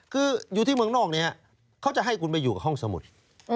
คืออยู่ที่เมืองนอกเนี่ยเขาจะให้คุณไปอยู่กับห้องสมุทร